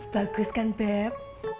bagus kan beb